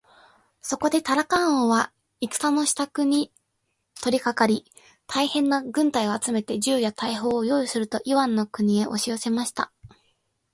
そこでタラカン王は戦のしたくに取りかかり、大へんな軍隊を集めて、銃や大砲をよういすると、イワンの国へおしよせました。